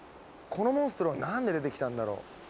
このモンストロはなんで出てきたんだろう？